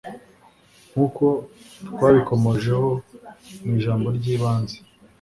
Nk'uko twabikomojeho mu ijambo ry'ibanze,